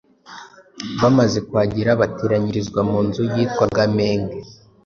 Bamaze kuhagera bateranyirizwa mu nzu yitwaga Menge